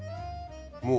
もう。